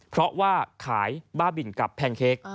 เพราะว่าขายบ้าบินกับแพนเค้ก